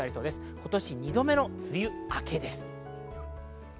今年２度目の梅雨明けです。